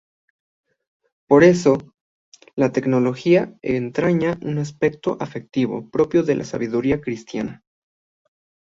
Por eso la teología entraña un aspecto afectivo, propio de la sabiduría cristiana.